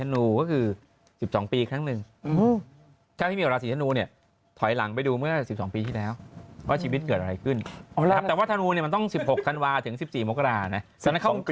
นี่ทำบุญกับทรงอภาษ